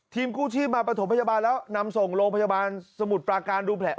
กู้ชีพมาประถมพยาบาลแล้วนำส่งโรงพยาบาลสมุทรปราการดูแผล